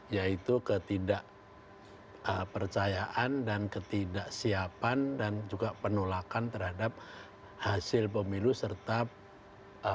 yaitu ketidakpercayaan dan ketidaksiapan dan juga penolakan terhadap hasil pemilu serta pemilu